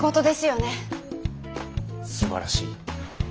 すばらしい。